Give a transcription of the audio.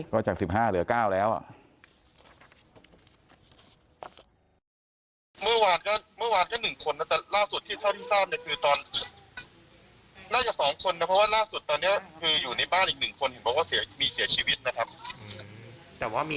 ก็จาก๑๕เหลือ๙แล้ว